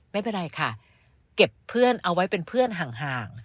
ไม่เป็นไรค่ะเก็บเพื่อนเอาไว้เป็นเพื่อนห่าง